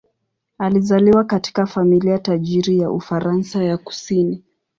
Alizaliwa katika familia tajiri ya Ufaransa ya kusini.